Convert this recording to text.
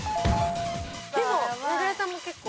でも名倉さんも結構。